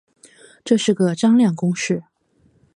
这是个张量公式。